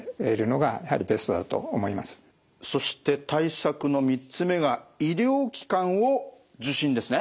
そして対策の３つ目が「医療機関を受診」ですね。